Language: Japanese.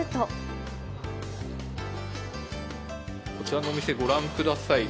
こちらのお店、ご覧ください。